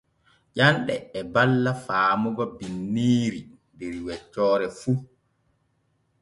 Ƴanɗe e balla faamugo binniiri der weccoore fu.